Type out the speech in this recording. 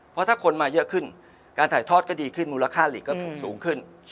เพราะถ้าคนมาเยอะขึ้นการถ่ายทอดก็ดีขึ้นมูลค่าหลีกก็สูงขึ้น